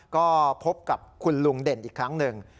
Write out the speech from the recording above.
ก็พบกับคุณลุงเด่นอีกครั้งหนึ่ง